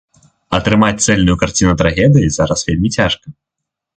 Атрымаць цэльную карціну трагедыі зараз вельмі цяжка.